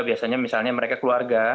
biasanya misalnya mereka keluarga